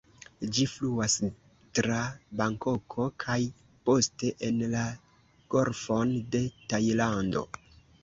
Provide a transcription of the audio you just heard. Ĝi fluas tra Bankoko kaj poste en la Golfon de Tajlando.